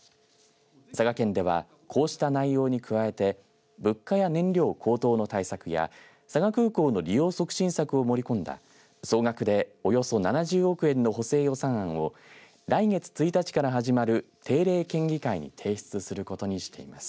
佐賀県ではこうした内容に加えて物価や燃料高騰の対策や佐賀空港の利用促進策を盛り込んだ総額でおよそ７０億円の補正予算案を来月１日から始まる定例県議会に提出することにしています。